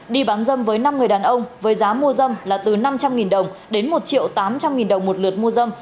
đi bán dâm với năm người đàn ông với giá mua dâm là từ năm trăm linh đồng đến một triệu tám trăm linh nghìn đồng một lượt mua dâm